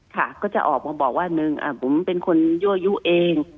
ค่ะก็จะออกมาบอกว่าหนึ่งผมเป็นคนยั่วยุเอง